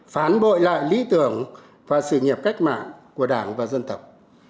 phán bội lại lý tưởng và sự nghiệp cách mạng của đảng và dân tộc